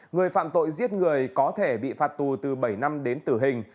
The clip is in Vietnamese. người phạm tội giết người có thể bị phạt tù từ bảy năm đến tử hình